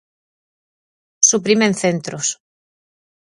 Suprimen centros.